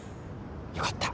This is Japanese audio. よかった。